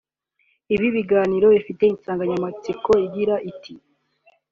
Ibi biganiro bifite insanganyamatsiko igira iti